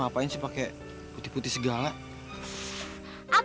biar bisa jalan